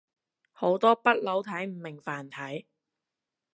好多北佬睇唔明繁體